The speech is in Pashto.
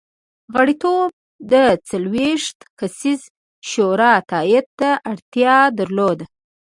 غړیتوب د څلوېښت کسیزې شورا تایید ته اړتیا درلوده.